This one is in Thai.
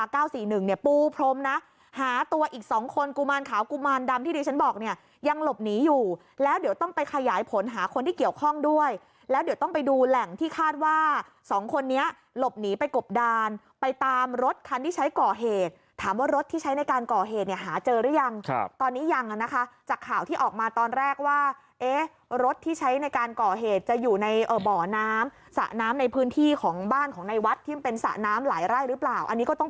กุพรมนะหาตัวอีกสองคนกุมารขาวกุมารดำที่ดีฉันบอกเนี่ยยังหลบหนีอยู่แล้วเดี๋ยวต้องไปขยายผลหาคนที่เกี่ยวข้องด้วยแล้วเดี๋ยวต้องไปดูแหล่งที่คาดว่าสองคนนี้หลบหนีไปกบดานไปตามรถคันที่ใช้ก่อเหตุถามว่ารถที่ใช้ในการก่อเหตุหาเจอหรือยังตอนนี้ยังนะคะจากข่าวที่ออกมาตอนแรกว่ารถที่ใช้ในการก่อเหตุจะ